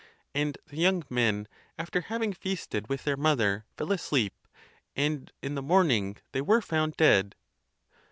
And the young men, after having feasted with their mother, fell asleep; and in the morning they were found dead.